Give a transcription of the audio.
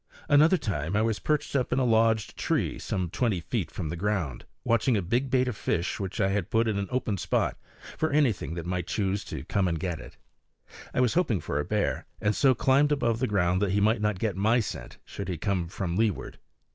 Another time I was perched up in a lodged tree, some twenty feet from the ground, watching a big bait of fish which I had put in an open spot for anything that might choose to come and get it. I was hoping for a bear, and so climbed above the ground that he might not get my scent should he come from leeward.